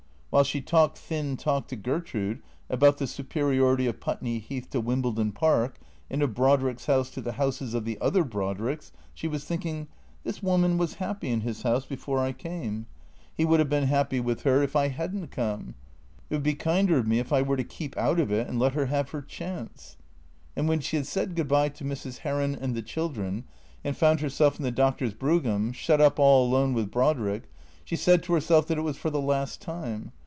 While she talked thin talk to Gertrude about the superiority of Putney Heath to Wim bledon Park, and of Brodrick's bouse to the houses of the other Brodricks, she was thinking, " This woman was happy in his house before I came. He would have been happy with her if 252 THECEEATORS I had n't come. It would be kinder of me if I were to keep out of it, and let her have her chance." And when she had said good bye to Mrs. Heron and the chil dren, and found herself in the doctor's brougham, shut up all alone with Brodrick, she said to herself that it was for the last time.